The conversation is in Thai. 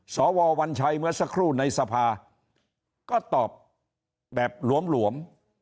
สววัญชัยเมื่อสักครู่ในสภาก็ตอบแบบหลวม